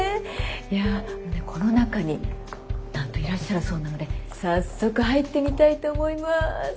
いやこの中になんといらっしゃるそうなので早速入ってみたいと思います。